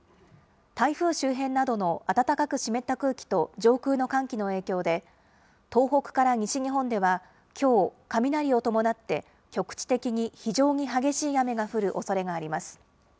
台風周辺などの暖かく湿った空気と上空の寒気の影響で、東北から西日本では、きょう、雷を伴って局地的に非常に激しい雨が降るおそれがあります。